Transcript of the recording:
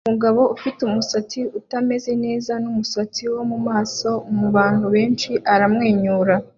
Umugabo ufite umusatsi utameze neza numusatsi wo mumaso mubantu benshi aramwenyura